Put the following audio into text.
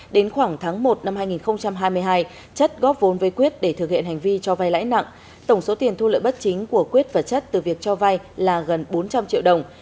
đến khoảng tháng một năm hai nghìn hai mươi hai chất góp vốn với quyết để thực hiện hành vi cho vay lãi nặng tổng số tiền thu lợi bất chính của quyết và chất từ việc cho vay là gần bốn trăm linh triệu đồng